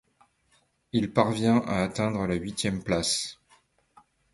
Il parvient à atteindre la huitième place.